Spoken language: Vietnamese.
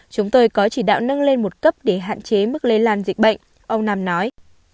chúng tôi có chỉ đạo nâng lên một cấp để hạn chế mức lây lan dịch bệnh ông nam nói